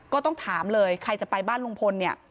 ก็ต้องถามเลยใครจะไปบ้านลุงพลเนี่ย